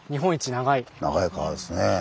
長い川ですね。